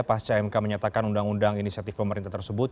pasca mk menyatakan undang undang inisiatif pemerintah tersebut